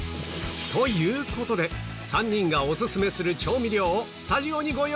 という事で３人がオススメする調味料をスタジオにご用意！